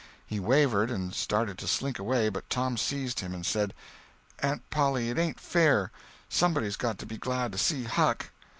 He wavered, and started to slink away, but Tom seized him and said: "Aunt Polly, it ain't fair. Somebody's got to be glad to see Huck."